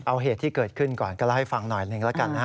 เอาเหตุที่เกิดขึ้นก่อนก็เล่าให้ฟังหน่อยหนึ่งแล้วกันนะฮะ